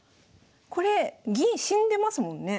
これ銀死んでますもんね。